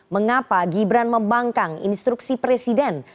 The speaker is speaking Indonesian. mengapa gibran membangkang instruksi presiden